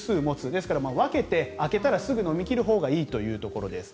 ですから分けて開けたらすぐ飲み切るほうがいいということです。